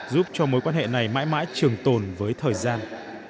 giúp cho mối quan hệ này mãi mãi trường tồn với thời gian